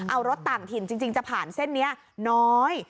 เอารถต่างถิ่นจริงจะผ่านเส้นนี้น้อย